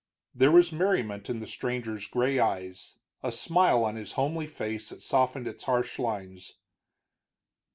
There was merriment in the stranger's gray eyes, a smile on his homely face that softened its harsh lines.